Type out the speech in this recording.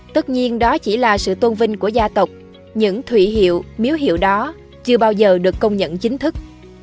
tất nhiên đó chỉ là sự tôn vinh của gia tộc những thụy hiệu miếu hiệu đó chưa bao giờ được công nhận chính thức